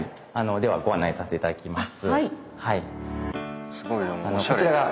ではご案内させていただきます。